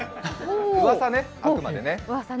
うわさね、あくまでね。